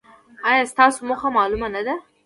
ایا ستاسو موخه معلومه نه ده؟